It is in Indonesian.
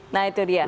nah itu dia